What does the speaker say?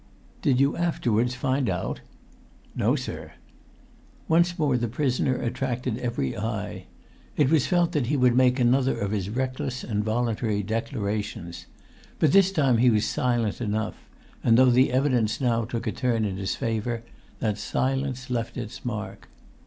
"Did you afterwards find out?" "No, sir." Once more the prisoner attracted every eye. It was felt that he would make another of his reckless and voluntary declarations. But this time he was silent enough; and though the evidence now took a turn in his favour, that silence left its mark.